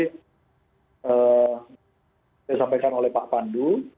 saya sampaikan oleh pak pandu